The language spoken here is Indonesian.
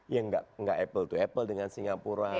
ya nggak apple to apple dengan singapura